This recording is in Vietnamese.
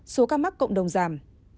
số ca mắc cộng đồng giảm